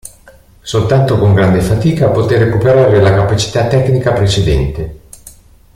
Soltanto con grande fatica poté recuperare la capacità tecnica precedente.